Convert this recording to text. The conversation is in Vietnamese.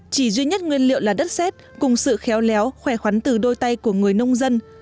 chỉ duy nhất nguyên liệu là đất xét cùng sự khéo léo khỏe khoắn từ đôi tay của người nông dân